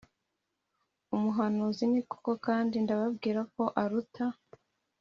Umuhanuzi ni koko kandi ndababwira ko aruta